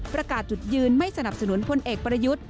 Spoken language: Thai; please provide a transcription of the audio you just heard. ประกาศจุดยืนไม่สนับสนุนพลเอกประยุทธ์